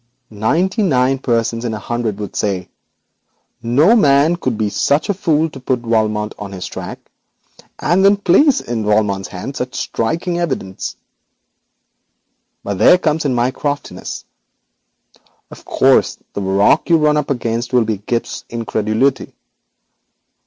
Ninety nine persons in a hundred would say: "No man could be such a fool as to put Valmont on his own track, and then place in Valmont's hands such striking evidence." But there comes in my craftiness. Of course, the rock you run up against will be Gibbes's incredulity.